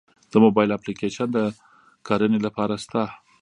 د موبایل اپلیکیشن د کرنې لپاره شته؟